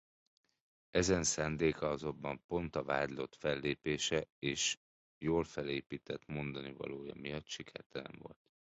Ezen szándéka azonban pont a vádlott fellépése és jól felépített mondanivalója miatt sikertelen volt.